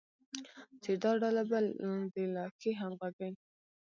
چې دا ډله به د لا ښې همغږۍ،